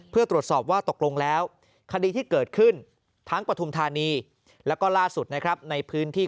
เพื่อตรวจสอบว่าตกลงแล้วคดีที่เกิดขึ้นทั้งปฐุมธานีแล้วก็ล่าสุดนะครับในพื้นที่